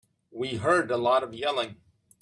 We heard a lot of yelling.